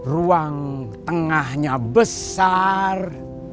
ruang tengahnya besar